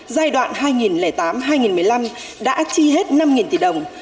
giai đoạn hai nghìn tám hai nghìn một mươi năm đã chi hết năm tỷ đồng